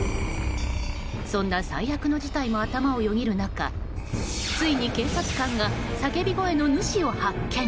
そんな最悪の事態も頭をよぎる中ついに、警察官が叫び声の主を発見。